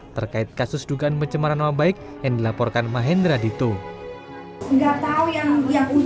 terkait kasus dugaan pencemaran nama baik yang dilaporkan mahendra dito nggak tahu yang yang